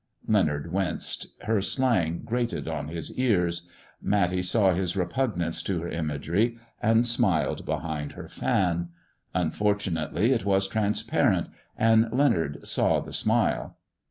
Leonard winced. Her slang grated on his ears. Matty saw his repugnance to her imagery, and smiled behind her fan. Unfortunately it was transparent, and Leonard saw the smile.